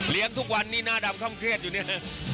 เลี้ยงทุกวันนี่หน้าดำเข้ามเครียดอยู่เนี่ย